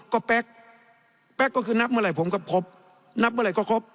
ก็แป๊กแป๊กก็คือนับเมื่อไหร่ผมก็ครบนับเมื่อไหร่ก็ครบ